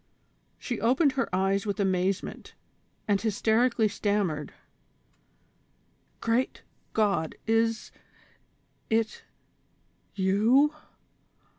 She opened her eyes with amazement, and hysterically stammered :" Great God, is i — t y — o — u